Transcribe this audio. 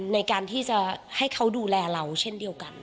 ในการที่จะให้เขาดูแลเราเช่นเดียวกัน